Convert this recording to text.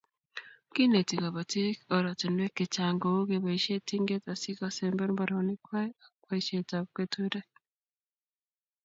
Kineti.kobotik oratinwek chechang kou keboisie tinget asikomber mbaronik kwai ak boisietab keturek